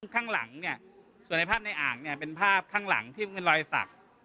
ข้างหลังเนี่ยส่วนในภาพในอ่างเนี่ยเป็นภาพข้างหลังที่เป็นรอยสัก